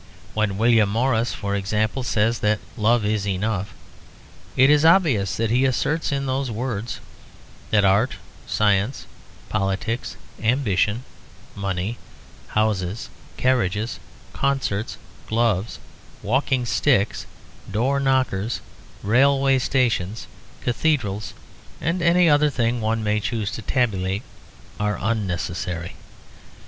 When William Morris, for example, says that "love is enough," it is obvious that he asserts in those words that art, science, politics, ambition, money, houses, carriages, concerts, gloves, walking sticks, door knockers, railway stations, cathedrals, and any other things one may choose to tabulate are unnecessary.